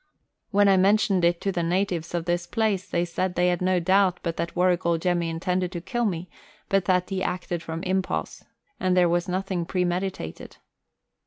When I men tioned it to the natives of this place they said they had no doubt but that Warrigal Jemmy intended to kill me, but that he acted from impulse, and there was nothing premeditated.